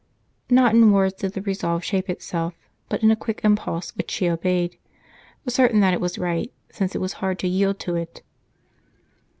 Not in words did the resolve shape itself, but in a quick impulse, which she obeyed certain that it was right, since it was hard to yield to it.